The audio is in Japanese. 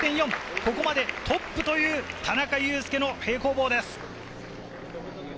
ここでトップという田中佑典の平行棒です。